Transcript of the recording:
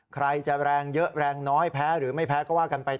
ใครจะแรงเยอะแรงน้อยแพ้หรือไม่แพ้ก็ว่ากันไป